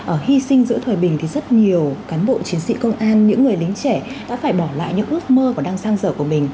ở hy sinh giữa thời bình thì rất nhiều cán bộ chiến sĩ công an những người lính trẻ đã phải bỏ lại những ước mơ và đang sang dở của mình